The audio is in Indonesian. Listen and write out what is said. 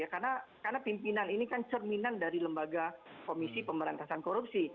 karena pimpinan ini kan cerminan dari lembaga komisi pemberantasan korupsi